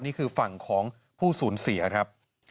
นี่คือฝั่งของผู้สูญเสียครับ